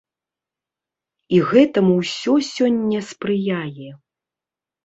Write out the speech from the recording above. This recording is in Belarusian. І гэтаму ўсё сёння спрыяе.